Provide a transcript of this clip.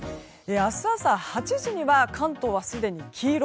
明日朝、８時には関東はすでに黄色。